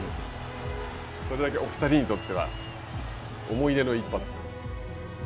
それだけ、お２人にとっては思い出の一発と。